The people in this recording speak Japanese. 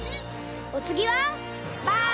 おつぎはバン！